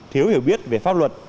thiếu hiểu biết về pháp luật